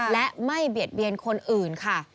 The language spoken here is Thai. และไม่เบียดเบียนคนอื่นค่ะ